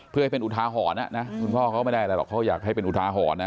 เพื่อให้เป็นอุทาหรณ์นะคุณพ่อเขาไม่ได้อะไรหรอกเขาอยากให้เป็นอุทาหรณ์นะ